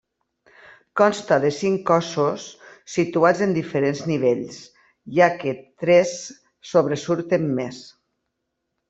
Consta de cinc cossos, situats en diferents nivells, ja que tres sobresurten més.